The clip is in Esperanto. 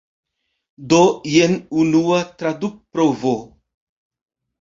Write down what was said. Do jen unua tradukprovo.